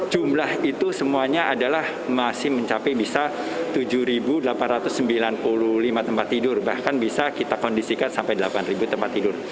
jumlah itu semuanya adalah masih mencapai bisa tujuh delapan ratus sembilan puluh lima tempat tidur bahkan bisa kita kondisikan sampai delapan tempat tidur